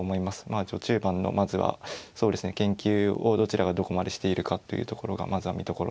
まあ序中盤のまずはそうですね研究をどちらがどこまでしているかというところがまずは見どころかなというふうに思います。